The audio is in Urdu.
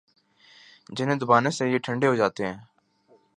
۔ جنہیں دبانے سے یہ ٹھنڈی ہوجاتے ہیں۔